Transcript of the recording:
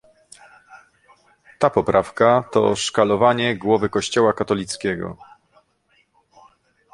Ta poprawka to szkalowanie głowy kościoła katolickiego